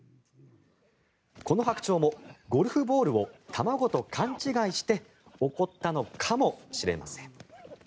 このハクチョウもゴルフボールを卵と勘違いして怒ったのかもしれません。